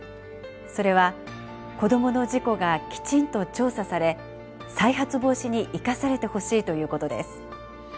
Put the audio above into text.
それは子どもの事故がきちんと調査され再発防止に生かされてほしいということです。